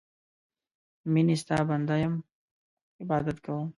میینې ستا بنده یم عبادت کوم